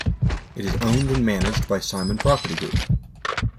It is owned and managed by Simon Property Group.